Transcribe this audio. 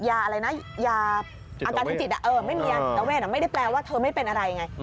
อาการทางจิตไม่มียาจิตเอาเว่นไม่ได้แปลว่าเธอไม่เป็นอะไรไง